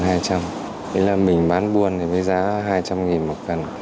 thế là mình bán buôn thì với giá hai trăm linh nghìn một cân